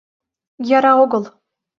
Яра огыл.